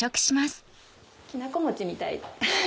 きな粉餅みたい。